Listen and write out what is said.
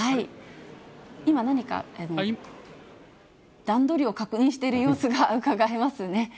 今、何か、段取りを確認している様子がうかがえますね。